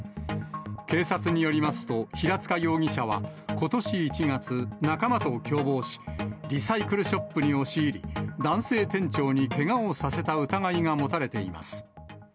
警察によりますと、平塚容疑者はことし１月、仲間と共謀し、リサイクルショップに押し入り、男性店長にけがをさせた疑いが持たれています。